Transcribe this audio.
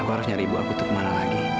aku harus nyari ibu aku tuh kemana lagi